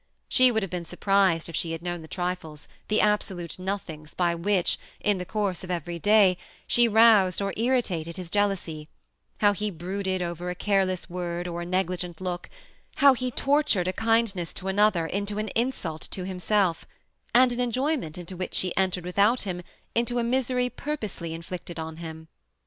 She would have been surprised if she had known the trifles, the absolute noth ings, by which, in the course of every day, she roused or irritated his jealousy, — how he brooded over a care less word or a negligent look, — how he tortured a kind ness to another into an insult to himself, and an enjoy ment into which she entered without him into a misery purposely inflicted on him.